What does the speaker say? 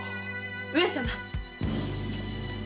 ・上様！